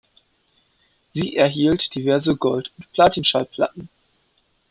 Sie erhielt diverse Gold- und Platin-Schallplatten.